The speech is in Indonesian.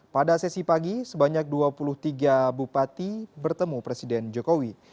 pada sesi pagi sebanyak dua puluh tiga bupati bertemu presiden jokowi